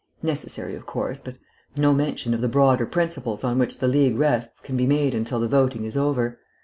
Necessary, of course; but no mention of the broader principles on which the League rests can be made until the voting is over.